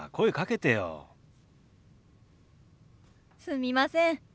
すみません。